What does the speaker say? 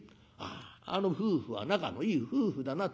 『あああの夫婦は仲のいい夫婦だな』